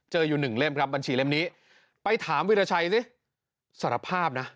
อยู่หนึ่งเล่มครับบัญชีเล่มนี้ไปถามวิราชัยสิสารภาพนะ